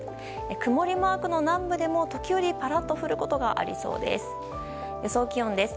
曇りマークの南部でも時折、ぱらっと降ることがありそうです。